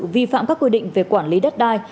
vi phạm các quy định về quản lý đất đai